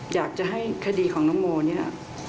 อยากจะให้คดีของน้องโมเนี่ย